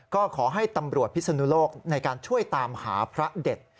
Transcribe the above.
ก็ขอให้ตำรวจพิศนุโลกในการช่วยตามหาพระเด็ด